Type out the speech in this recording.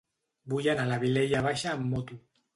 Vull anar a la Vilella Baixa amb moto.